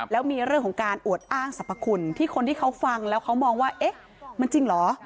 แล้วมีเรื่องของการอวดอ้างสรรพคุณที่คนที่เขาฟังแล้วเขามองว่าเอ๊ะมันจริงเหรอ